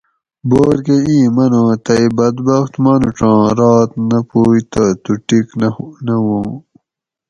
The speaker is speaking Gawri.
بور کہ ایں من ھوں تئ بدبخت مانوڄاں رات نہ پوئ تہ تو ٹیِک نہ وواں